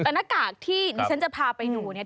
แต่หน้ากากที่ดิฉันจะพาไปดูเนี่ย